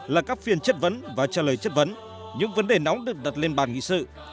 là các phiên chất vấn và trả lời chất vấn những vấn đề nóng được đặt lên bàn nghị sự